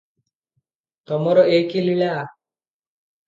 ତମର ଏ କି ଲୀଳା?"